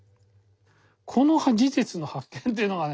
この事実の発見というのがね